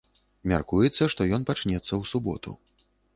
Мяркуецца, што ён пачнецца ў суботу.